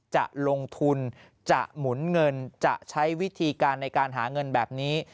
จะลงทุนจะหมุนเงินจะใช้วิธีการในการหาเงินแบบนี้